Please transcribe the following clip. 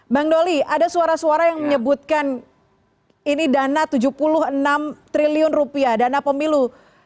bang doli ada suara suara yang menyebutkan ini dana rp tujuh puluh enam triliun rupiah dana pemilu